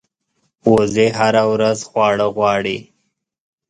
وزې هره ورځ خواړه غواړي